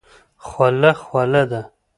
خوله خوله ده.